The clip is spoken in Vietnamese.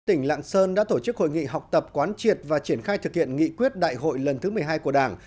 tỉnh lạng sơn đã tổ chức hội nghị học tập quán triệt và triển khai thực hiện nghị quyết đại hội lần thứ một mươi hai của đảng